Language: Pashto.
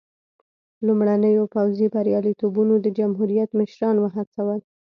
لومړنیو پوځي بریالیتوبونو د جمهوریت مشران وهڅول.